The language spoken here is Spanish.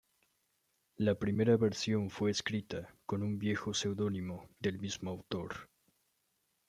La primera versión fue escrita con un viejo seudónimo del mismo autor.